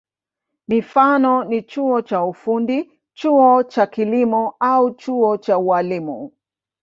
Mifano ni chuo cha ufundi, chuo cha kilimo au chuo cha ualimu.